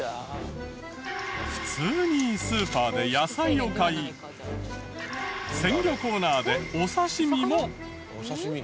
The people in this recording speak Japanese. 普通にスーパーで野菜を買い鮮魚コーナーでお刺身も。